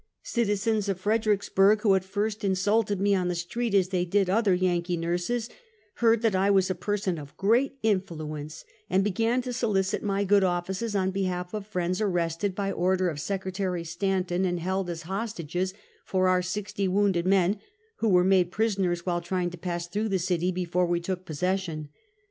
Citizens of Fredericksburg, who at first insulted me on the street, as they did other Yankee nurses, heard that I was a person of great influence, and began to solicit my good ofiices on behalf of friends arrested by order of Secretary Stanton, and held as hostages, for our sixty wounded who were made prisoners while trying to pass through the city, before we took posses sion.